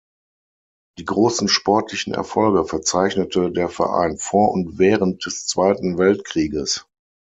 Die großen sportlichen Erfolge verzeichnete der Verein vor und während des Zweiten Weltkrieges.